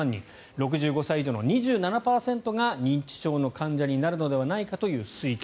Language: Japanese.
６５歳以上の２７％が認知症の患者になるのではないかという推計。